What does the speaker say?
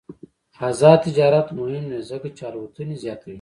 آزاد تجارت مهم دی ځکه چې الوتنې زیاتوي.